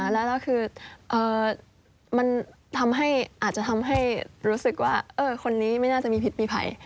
แล้วคือมันทำให้อาจจะทำให้รู้สึกว่าคนนี้ไม่น่าจะมีพิษมีภัย